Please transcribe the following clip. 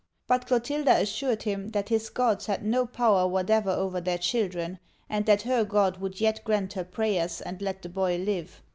But Clotilda assured him that his gods had no power whatever over their children, and that her God would yet grant her prayers and let the boy live.